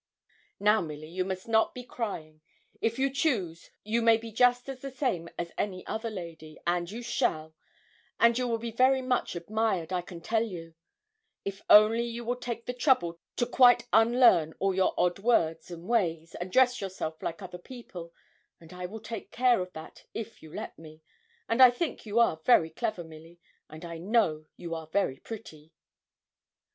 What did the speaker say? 'Now, Milly, you must not be crying; if you choose you may be just as the same as any other lady and you shall; and you will be very much admired, I can tell you, if only you will take the trouble to quite unlearn all your odd words and ways, and dress yourself like other people; and I will take care of that if you let me; and I think you are very clever, Milly; and I know you are very pretty.'